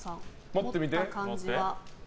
持った感じは。